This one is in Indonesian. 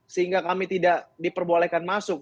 sehingga kami tidak diperbolehkan masuk